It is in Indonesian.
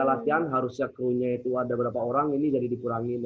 kalau latihan harusnya kru nya itu ada beberapa orang ini jadi dikurangi